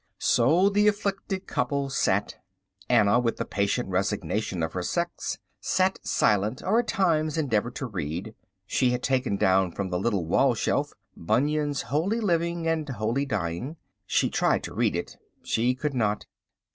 So the afflicted couple sat. Anna, with the patient resignation of her sex, sat silent or at times endeavoured to read. She had taken down from the little wall shelf Bunyan's Holy Living and Holy Dying. She tried to read it. She could not.